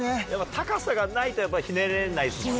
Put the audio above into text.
高さがないとやっぱひねれないですもんね。